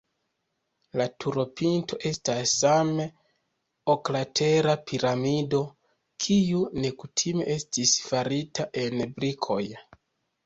La turopinto estas same oklatera piramido, kiu nekutime estis farita el brikoj.